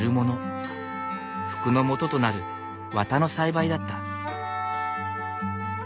服のもととなる綿の栽培だった。